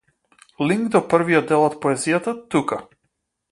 Линк до првиот дел од поезијата тука.